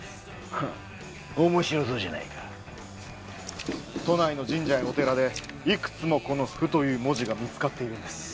フッ面白そうじゃないか都内の神社やお寺でいくつもこの「不」という文字が見つかっているんです